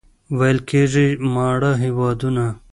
ویل کېږي ماړه هېوادونه.